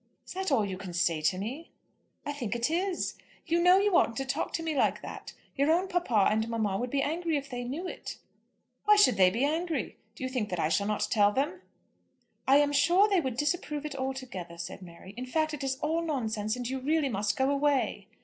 "Is that all you can say to me?" "I think it is. You know you oughtn't to talk to me like that. Your own papa and mamma would be angry if they knew it." "Why should they be angry? Do you think that I shall not tell them?" "I am sure they would disapprove it altogether," said Mary. "In fact it is all nonsense, and you really must go away."